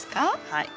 はい。